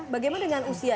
bagaimana dengan usia